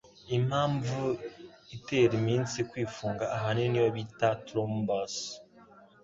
impambvu itera imitsi kwifunga ahanini niyo bita 'Trombus'.